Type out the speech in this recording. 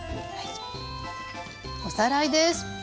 おさらいです。